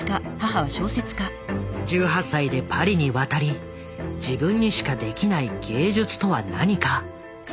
１８歳でパリに渡り自分にしかできない芸術とは何か探し続けた。